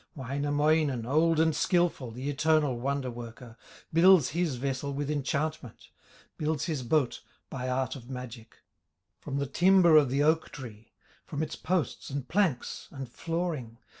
Wainamoinen, old and skilful, The eternal wonder worker, Builds his vessel with enchantment, Builds his boat by art of magic, From the timber of the oak tree, From its posts, and planks, and flooring.